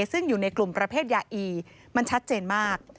ซึ่งอยู่ในกลุ่มประเภทยาอีมันชัดเจนมาก